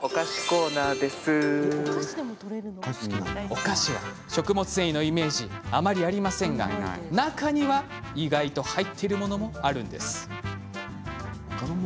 お菓子は食物繊維のイメージがあまりありませんが中には意外ととれるものがあるんです。